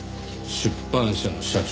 出版社の社長。